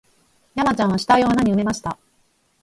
山ちゃんは死体を穴に埋めました